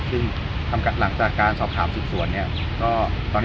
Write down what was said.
ซึ่งหลังจากการสอบถามสึกส่วน